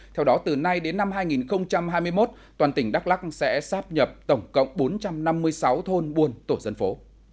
theo đó từ nay đến năm hai nghìn hai mươi một toàn tỉnh đắk lắc sẽ sắp nhập tổng cộng bốn trăm năm mươi sáu thôn buôn tổ dân phố